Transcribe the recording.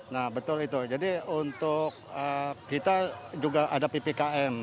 nah betul itu jadi untuk kita juga ada ppkm